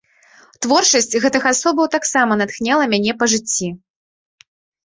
Творчасць гэтых асобаў таксама натхняла мяне па жыцці.